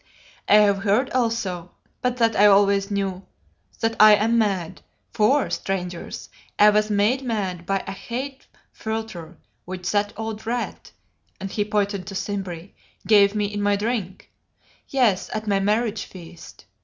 "I have heard also but that I always knew that I am mad; for, strangers, I was made mad by a hate philtre which that old Rat," and he pointed to Simbri, "gave me in my drink yes, at my marriage feast.